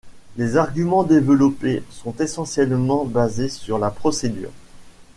Les arguments développés sont essentiellement basés sur la procédure.